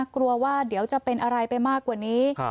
กลัวว่าเดี๋ยวจะเป็นอะไรไปมากกว่านี้